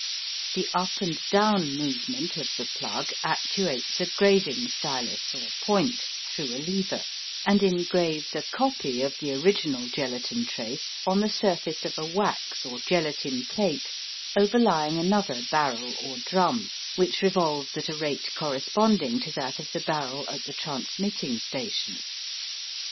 The up and down movement of the plug actuates a graving stylus or point through a lever, and engraves a copy of the original gelatine trace on the surface of a wax or gelatine plate overlying another barrel or drum, which revolves at a rate corresponding to that of the barrel at the transmitting station.